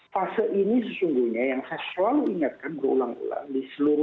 fase ini sesungguhnya yang saya selalu ingatkan berulang ulang di seluruh